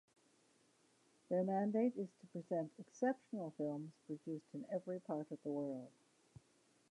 Their mandate is to present exceptional films produced in every part of the world.